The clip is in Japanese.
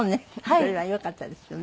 それはよかったですよね。